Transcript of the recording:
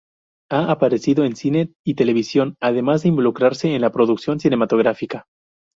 Ha aparecido en cine y televisión, además de involucrarse en la producción cinematográfica.